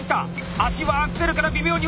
足はアクセルから微妙に浮いている。